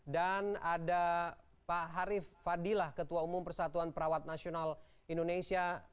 ada pak harif fadilah ketua umum persatuan perawat nasional indonesia